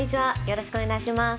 よろしくお願いします。